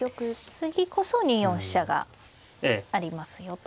次こそ２四飛車がありますよと。